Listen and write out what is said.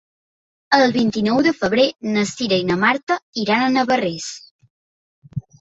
El vint-i-nou de febrer na Cira i na Marta iran a Navarrés.